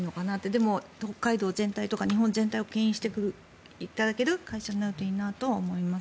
でも、北海道全体とか日本全体をけん引していただける会社になるといいなと思います。